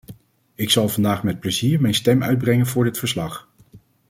Ik zal vandaag met plezier mijn stem uitbrengen voor dit verslag.